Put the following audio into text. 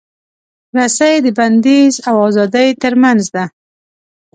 رسۍ د بندیز او ازادۍ ترمنځ ده.